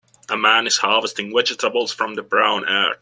A man is harvesting vegetables from the brown earth.